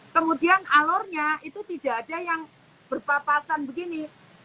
kemudian alurnya itu tidak ada yang berpapasan begini